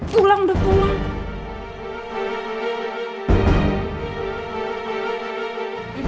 pulang udah pulang